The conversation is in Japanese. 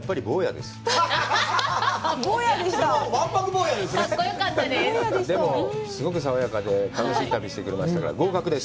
でも、すごく爽やかで、楽しい旅をしてくれましたから、合格です。